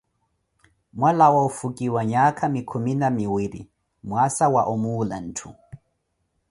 Mwalawa ofukiwa nyaaka khumi na miwiri, mwaasa wa omuula ntthu.